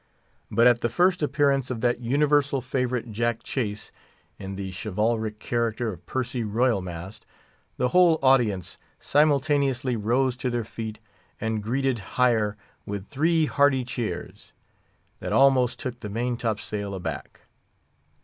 But at the first appearance of that universal favourite, Jack Chase, in the chivalric character of Percy Royal Mast, the whole audience simultaneously rose to their feet, and greeted hire with three hearty cheers, that almost took the main top sail aback.